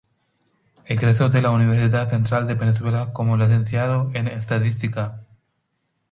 Egresó de la Universidad Central de Venezuela como licenciado en estadística.